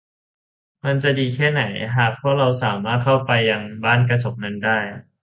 มันจะดีแค่ไหนหากพวกเราสามารถเข้าไปยังบ้านกระจก นั้นได้ !